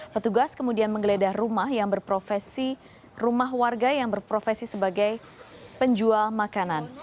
petugas kemudian menggeledah rumah warga yang berprofesi sebagai penjual makanan